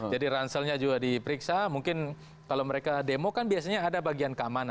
jadi ranselnya juga diperiksa mungkin kalau mereka demo kan biasanya ada bagian keamanan ya